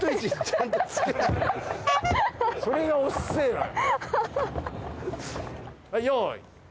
それがおっせえのよ。